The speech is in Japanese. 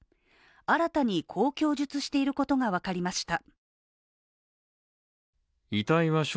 新たにこう供述していることが分かりました。